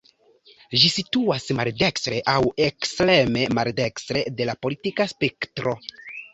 Ĝi situas maldekstre, aŭ ekstreme maldekstre de la politika spektro.